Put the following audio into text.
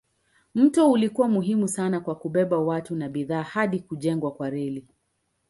Mto ulikuwa muhimu sana kwa kubeba watu na bidhaa hadi kujengwa kwa reli.